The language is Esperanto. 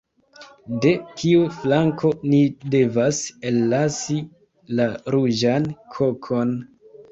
De kiu flanko ni devas ellasi la ruĝan kokon?